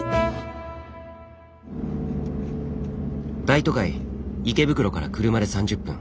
大都会池袋から車で３０分。